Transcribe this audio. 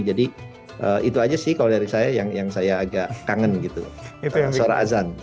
jadi itu saja sih kalau dari saya yang saya agak kangen gitu suara azan